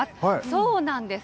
そうなんです。